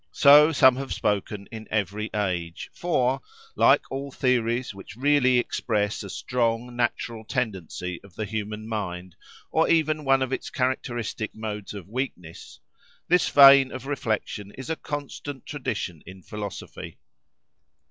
So some have spoken in every age; for, like all theories which really express a strong natural tendency of the human mind or even one of its characteristic modes of weakness, this vein of reflection is a constant tradition in philosophy.